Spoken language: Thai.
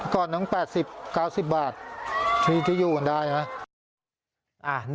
ก่อนเนี่ย๘๐๙๐บาททดูก็ได้นะ